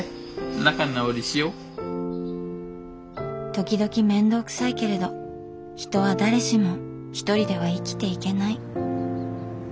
時々面倒くさいけれど人は誰しもひとりでは生きていけない。